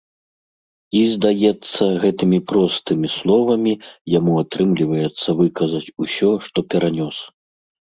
І, здаецца, гэтымі простымі словамі яму атрымліваецца выказаць усё, што перанёс.